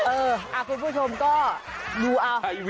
คุณผู้ชมก็ดูเอา